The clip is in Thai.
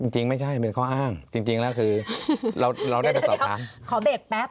จริงไม่ใช่เป็นข้ออ้างจริงแล้วคือเราได้ประสบค้า